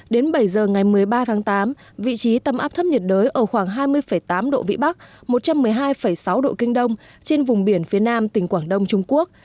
đến bảy giờ ngày một mươi ba tháng tám vị trí tâm áp thấp nhiệt đới ở khoảng hai mươi tám độ vĩ bắc một trăm một mươi hai sáu độ kinh đông trên vùng biển phía nam tỉnh quảng đông trung quốc